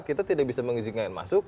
kita tidak bisa mengizinkan masuk